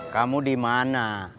kamu di mana